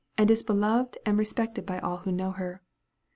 and is beloved and respected by all who know her.